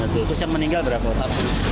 terus yang meninggal berapa